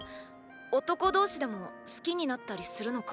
男同士でも好きになったりするのか？